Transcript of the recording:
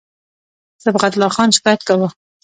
صبغت الله خان شکایت کاوه.